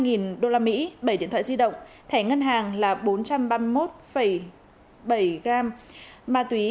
nghìn usd bảy điện thoại di động thẻ ngân hàng là bốn trăm ba mươi một bảy gram ma túy